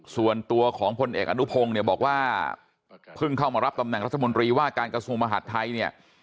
ส่วนตัวของพลเอกอนุพงศ์เนี่ยบอกว่าเพิ่งเข้ามารับตำแหน่งรัฐมนตรีว่าการกระทรวงมหาดไทยเนี่ย